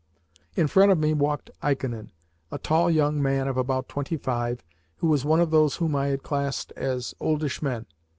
In front of me walked Ikonin a tall young man of about twenty five, who was one of those whom I had classed as oldish men.